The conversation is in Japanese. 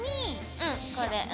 うんこれ。